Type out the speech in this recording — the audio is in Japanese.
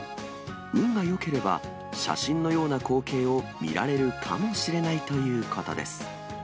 運がよければ写真のような光景を見られるかもしれないということです。